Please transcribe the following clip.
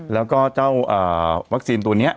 แล้วก็เจ้าวัคซีนตัวนี้